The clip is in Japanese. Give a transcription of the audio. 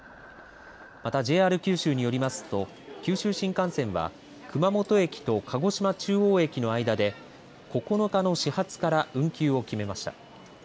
また、ＪＲ九州によりますと九州新幹線は熊本駅と鹿児島中央駅の間で９日の始発から運休を決めました。